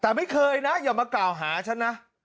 แต่ไม่เคยนะอย่ามากล่าวหาฉันนะ